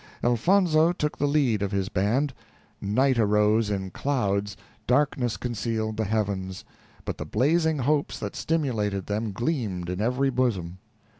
Elfonzo took the lead of his band. Night arose in clouds; darkness concealed the heavens; but the blazing hopes that stimulated them gleamed in every bosom.